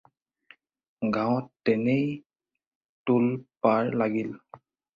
গাঁৱত তেনেই তোল-পাৰ লাগিল।